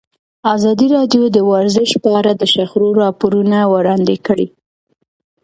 ازادي راډیو د ورزش په اړه د شخړو راپورونه وړاندې کړي.